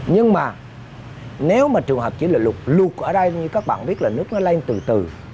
nhưng mà nếu mà trường hợp chỉ là lục lụt ở đây như các bạn biết là nước nó lên từng từ